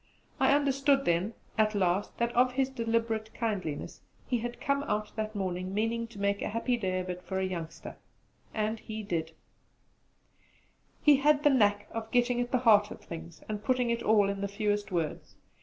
I understood then at last that of his deliberate kindliness he had come out that morning meaning to make a happy day of it for a youngster; and he did it. He had the knack of getting at the heart of things, and putting it all in the fewest words.